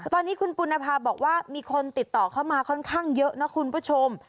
ตอนนี้คุณปุณภาบอกว่ามีคนติดต่อเข้ามาค่อนข้างเยอะนะคุณผู้ชม